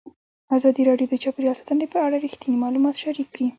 ازادي راډیو د چاپیریال ساتنه په اړه رښتیني معلومات شریک کړي.